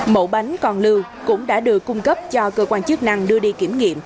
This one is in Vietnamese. mẫu bánh còn lưu cũng đã được cung cấp cho cơ quan chức năng đưa đi kiểm nghiệm